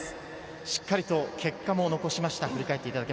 しっかりと結果も残しました。